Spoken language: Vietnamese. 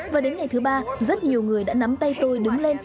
và đến ngày thứ ba rất nhiều người đã nắm tay tôi đứng lên